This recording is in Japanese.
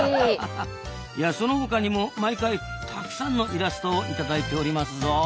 その他にも毎回たくさんのイラストを頂いておりますぞ。